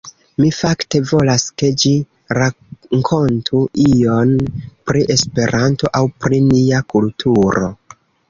Mi fakte volas ke ĝi rankontu ion pri Esperanto aŭ pri nia kulturo.